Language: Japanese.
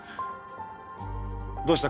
どうした？